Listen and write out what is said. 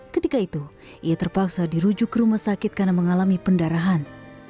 ketika itu ia terpaksa dirujuk ke rumah sakit karena mengalami pendarahan